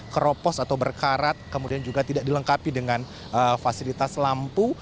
keropos atau berkarat kemudian juga tidak dilengkapi dengan fasilitas lampu